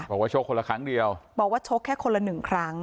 บอกว่าโชคคนละครั้งเดียวบอกว่าโชคแค่คนละหนึ่งครั้ง